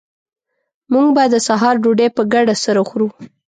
موږ به د سهار ډوډۍ په ګډه سره خورو